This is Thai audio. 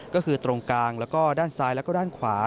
ก็คือตรงกลางแล้วก็ด้านซ้ายแล้วก็ด้านขวา